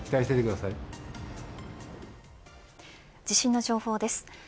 地震の情報です。